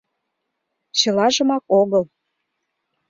— Чылажымак огыл.